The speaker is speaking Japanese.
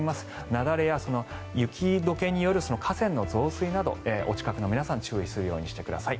雪崩や雪解けによる河川の増水などお近くの皆さん注意するようにしてください。